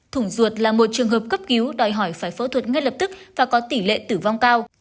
thủng ruột là một trường hợp cấp cứu đòi hỏi phải phẫu thuật ngay lập tức và có tỷ lệ tử vong cao